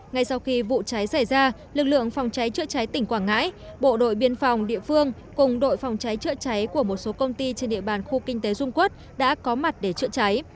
ngay sau khi vụ cháy xảy ra lực lượng phòng cháy chữa cháy tỉnh quảng ngãi bộ đội biên phòng địa phương cùng đội phòng cháy chữa cháy của một số công ty trên địa bàn khu kinh tế dung quốc đã có mặt để chữa cháy